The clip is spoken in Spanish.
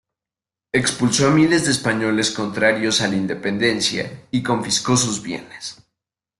Expulsó a miles de españoles contrarios a la independencia y confiscó sus bienes.